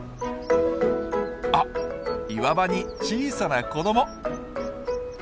あっ岩場に小さな子ども！